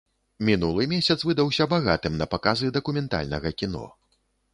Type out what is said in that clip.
Мінулы месяц выдаўся багатым на паказы дакументальнага кіно.